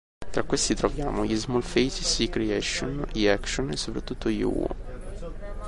Tra questi troviamo: gli Small Faces, i Creation, gli Action e soprattutto gli Who.